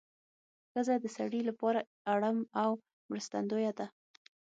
ښځه د سړي لپاره اړم او مرستندویه ده